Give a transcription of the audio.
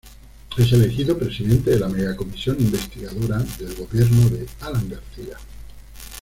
Es elegido Presidente de la Mega-Comisión investigadora del gobierno de Alan García.